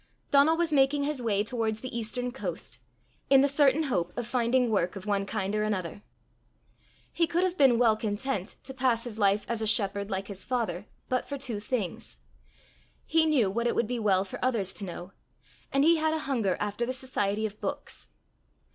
Donal was making his way towards the eastern coast, in the certain hope of finding work of one kind or another. He could have been well content to pass his life as a shepherd like his father but for two things: he knew what it would be well for others to know; and he had a hunger after the society of books.